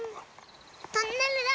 トンネルだ！